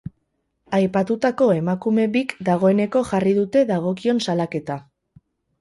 Aipatutako emakume bik dagoeneko jarri dute dagokion salaketa.